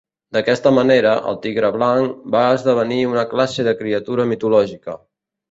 D'aquesta manera, el tigre blanc, va esdevenir una classe de criatura mitològica.